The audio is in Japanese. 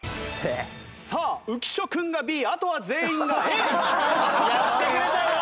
さあ浮所君がＢあとは全員がＡ！やってくれたな！